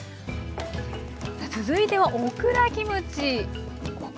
さあ続いてはオクラをキムチに。